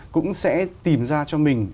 cũng sẽ tìm ra cho mình